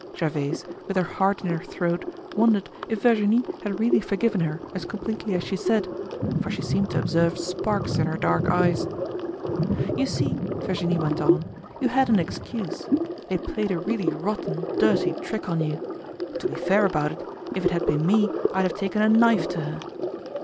Gervaise, with her heart in her throat, wondered if Virginie had really forgiven her as completely as she said, for she seemed to observe sparks in her dark eyes. "You see," Virginie went on, "you had an excuse. They played a really rotten, dirty trick on you. To be fair about it, if it had been me, I'd have taken a knife to her."